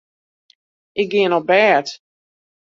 Ik gean op bêd.